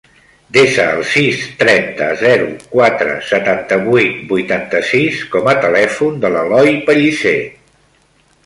Desa el sis, trenta, zero, quatre, setanta-vuit, vuitanta-sis com a telèfon de l'Eloi Pellicer.